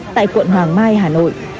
tại quận một